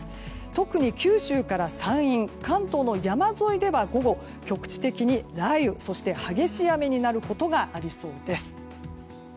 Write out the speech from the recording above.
特に九州から山陰関東の山沿いでは午後、局地的に雷雨激しい雨になることがありそうです。